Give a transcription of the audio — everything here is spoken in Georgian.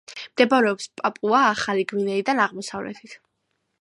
მდებარეობს პაპუა-ახალი გვინეიდან აღმოსავლეთით.